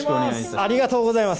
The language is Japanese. ありがとうございます。